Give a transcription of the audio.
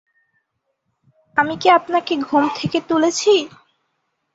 আমি কি আপনাকে ঘুম থেকে তুলেছি?